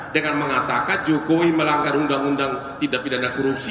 dengan mengatakan jokowi melanggar undang undang tidak pidana korupsi